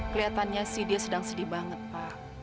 kelihatannya sih dia sedang sedih banget pak